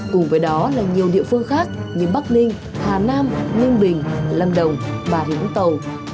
cùng với đó là nhiều địa phương khác như bắc ninh hà nam ninh bình lâm đồng bà rĩnh tầu